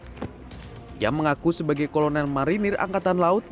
dia mengaku sebagai kolonel marinir angkatan laut